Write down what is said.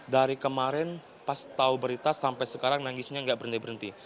dari kemarin pas tahu berita sampai sekarang nangisnya nggak berhenti berhenti